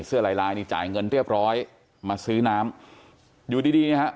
เสื้อหลายนี่จ่ายเงินเรียบร้อยมาซี้น้ำดูดีดีครับ